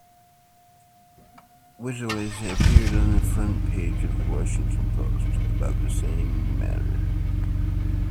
Witteles appeared on the front page of The Washington Post about the same matter.